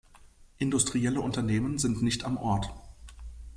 Industrielle Unternehmen sind nicht am Ort.